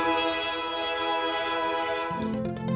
นี่คือว่าท่านอะไรอย่างนี้